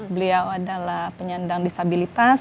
beliau adalah penyandang disabilitas